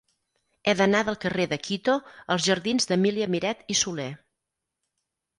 He d'anar del carrer de Quito als jardins d'Emília Miret i Soler.